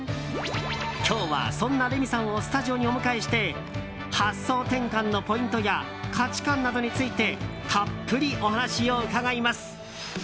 今日は、そんなレミさんをスタジオにお迎えして発想転換のポイントや価値観などについてたっぷり、お話を伺います。